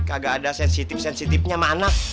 kagak ada sensitif sensitifnya sama anak